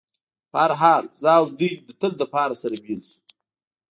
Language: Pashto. په هر حال، زه او دوی د تل لپاره سره بېل شو.